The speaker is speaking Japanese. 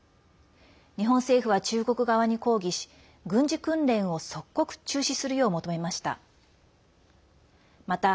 日本政府は中国側に抗議し軍事訓練を即刻中止するよう求めました。